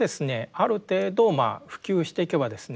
ある程度まあ普及していけばですね